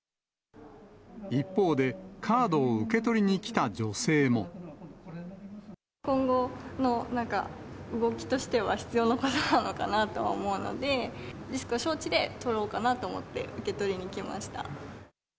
一方で、今後の動きとしては、必要なことなのかなとは思うので、リスクを承知で取ろうかなと思って受け取りに来ました。